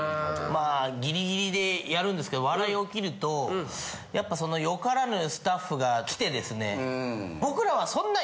まあギリギリでやるんですけど笑いおきるとやっぱそのよからぬスタッフが来てですね。